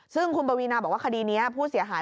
ซึ่งคุณปวีนาบอกว่าคดีนี้ผู้เสียหาย